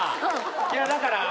いやだからねっ？